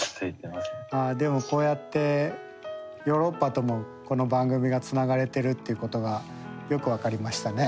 でもこうやってヨーロッパともこの番組がつながれてるっていうことがよく分かりましたね。